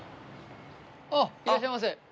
あっいらっしゃいませ。